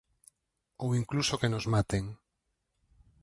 Ou incluso que nos maten.